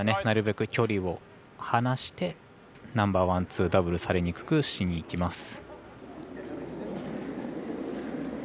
なるべく距離を離してナンバーワン、ツーダブルされにくくしにいきます。